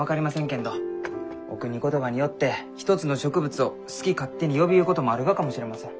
けんどおくに言葉によって一つの植物を好き勝手に呼びゆうこともあるがかもしれません。